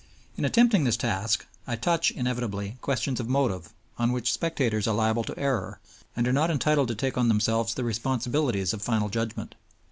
In attempting this task, I touch, inevitably, questions of motive, on which spectators are liable to error and are not entitled to take on themselves the responsibilities of final judgment.